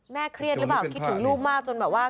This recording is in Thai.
เครียดหรือเปล่าคิดถึงลูกมากจนแบบว่า